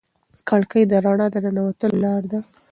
کړکۍ د رڼا د ننوتلو لار ده.